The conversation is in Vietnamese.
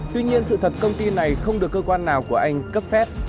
tuy nhiên sự thật công ty này không được cơ quan nào của anh cấp phép